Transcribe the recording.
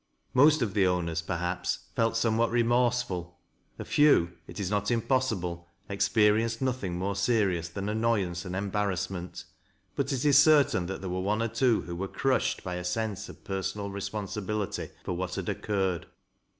Most of the owners, perhaps, felt somewhat remorseful ; a few, it is not impossible, ex perienced nothing more serious than annoyance and embarrassment, but it is certain that there were one or twc who were crushed by a sense of personal responsibility foi what had occurred.